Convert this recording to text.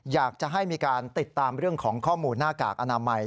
อยากจะให้มีการติดตามเรื่องของข้อมูลหน้ากากอนามัย